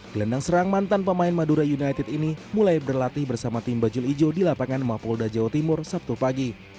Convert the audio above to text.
gelandang serang mantan pemain madura united ini mulai berlatih bersama tim bajul ijo di lapangan mapolda jawa timur sabtu pagi